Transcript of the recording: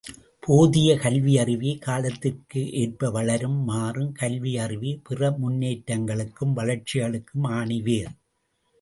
போதிய கல்வியறிவே காலத்திற்கேற்ப வளரும், மாறும், கல்வி அறிவே பிற முன்னேற்றங்களுக்கும் வளர்ச்சிகளுக்கும் ஆணி வேர்.